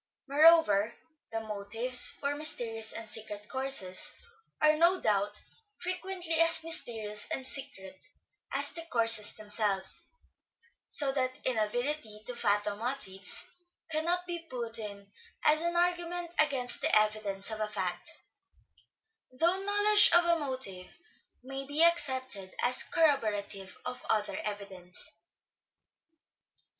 Moreover, the motives for mysterious and secret courses are, no doubt, frequently as mysterious and secret as the courses themselves, so that inability to fathom motives cannot be put in as an argument against the evidence of a fact : though knowledge of a motive may be accepted as corroborative of other evidence.